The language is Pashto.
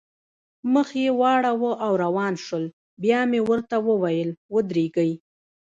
مخ یې واړاوه او روان شول، بیا مې ورته وویل: ودرېږئ.